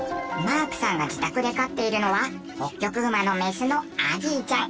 マークさんが自宅で飼っているのはホッキョクグマのメスのアギーちゃん。